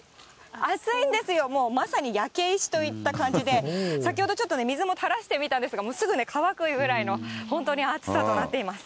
熱いんですよ、もうまさに焼け石といった感じで、先ほどちょっとね、水もたらしてみたんですけど、すぐ乾くぐらいの、本当に暑さとなっています。